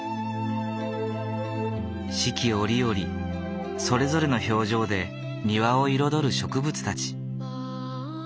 四季折々それぞれの表情で庭を彩る植物たち。